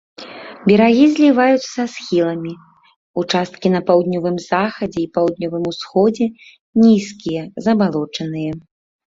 Берагі зліваюцца са схіламі, участкі на паўднёвым захадзе і паўднёвым усходзе нізкія, забалочаныя.